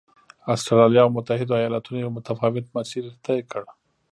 اسټرالیا او متحدو ایالتونو یو متفاوت مسیر طی کړ.